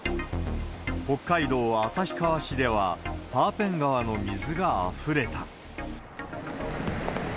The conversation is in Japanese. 北海道旭川市では、パーペン川の水があふれた。